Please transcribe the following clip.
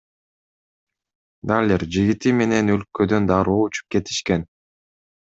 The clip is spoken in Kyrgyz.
Далер жигити менен өлкөдөн дароо учуп кетишкен.